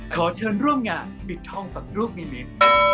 ขอเชิญร่วมงานปิดทองฝังรูปนิมิตร